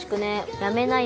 「やめなよ」